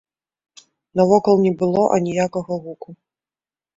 Навокал не было аніякага гуку.